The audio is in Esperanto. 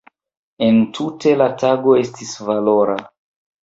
Entute la tago estis valora.